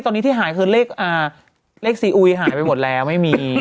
ตอนนี้ที่หายคือเลขซีอุยหายไปหมดแล้วไม่มี